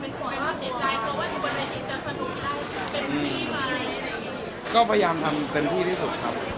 คุณขออนุญาตที่รอบแบบหลายคนแล้วจะเป็นคนที่จะสนุกได้เป็นพี่อะไรอย่างนี้